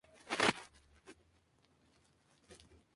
Así mismo es conocido por diseñar las máquinas Post-Turing.